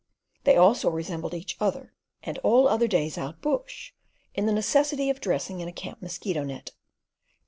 They also resembled each other, and all other days out bush, in the necessity of dressing in a camp mosquito net.